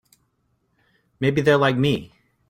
Maybe they're like me.